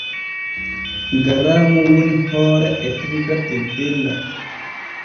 Garaamu woni hoore etirga teddella.